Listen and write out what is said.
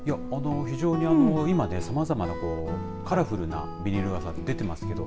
非常に今さまざまなカラフルなビニール傘出てますけど。